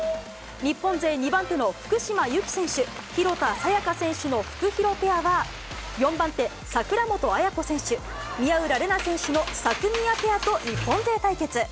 日本勢２番手の福島由紀選手・廣田彩花選手のフクヒロペアは、４番手、櫻本絢子選手・宮浦玲奈選手のサクミヤペアと日本勢対決。